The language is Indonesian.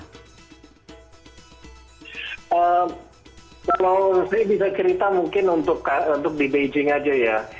kalau saya bisa cerita mungkin untuk di beijing aja ya